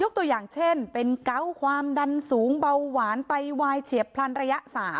ตัวอย่างเช่นเป็นเกาะความดันสูงเบาหวานไตวายเฉียบพลันระยะ๓